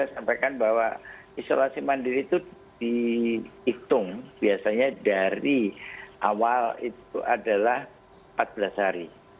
saya sampaikan bahwa isolasi mandiri itu dihitung biasanya dari awal itu adalah empat belas hari